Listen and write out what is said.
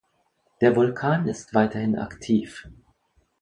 Der Vulkan ist weiterhin aktiv.